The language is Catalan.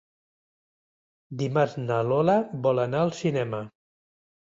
Dimarts na Lola vol anar al cinema.